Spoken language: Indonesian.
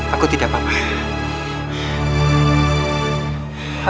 aku tidak apa apa